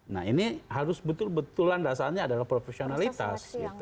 nah ini harus betul betulan dasarnya adalah profesionalitas